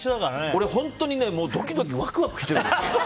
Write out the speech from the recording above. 俺、本当にドキドキワクワクしてるの。